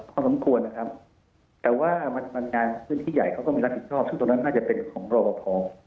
พอสมควรนะครับแต่ว่ามันงานพื้นที่ใหญ่เขาก็ไม่รับผิดชอบซึ่งตรงนั้นน่าจะเป็นของรอปภ